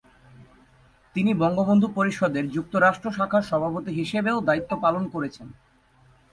তিনি বঙ্গবন্ধু পরিষদের যুক্তরাষ্ট্র শাখার সভাপতি হিসেবেও দায়িত্ব পালন করছেন।